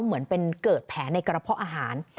เหมือนเป็นเกิดแผลในกระเพาะอาหาร